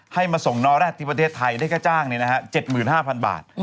ให้มาส่งนอแรดที่ประเทศไทยได้ค่าจ้างเนี่ยนะฮะ๗๕๐๐๐บาท